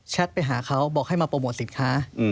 ไปหาเขาบอกให้มาโปรโมทสินค้า